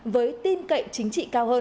với tin cậy chính trị cao hơn